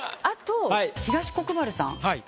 あと東国原さん